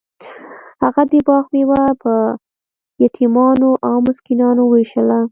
هغه د باغ میوه په یتیمانو او مسکینانو ویشله.